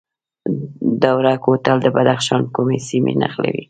دوره کوتل د بدخشان کومې سیمې نښلوي؟